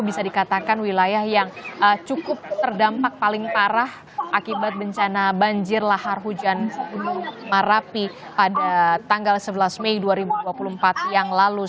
bisa dikatakan wilayah yang cukup terdampak paling parah akibat bencana banjir lahar hujan merapi pada tanggal sebelas mei dua ribu dua puluh empat yang lalu